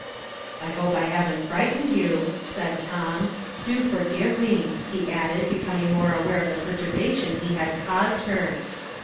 "I hope I haven't frightened you," said Tom. "Do forgive me," he added, becoming more aware of the perturbation he had caused her.